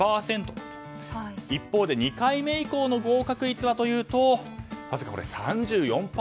一方で２回目以降の合格率はわずか３４％。